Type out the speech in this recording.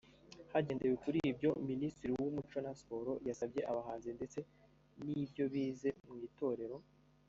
Hagendewe kuri ibyo Minisitiri w’Umuco na Siporo yasabye abahanzi ndetse n’ibyo bize mu itorero